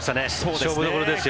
勝負どころですよ。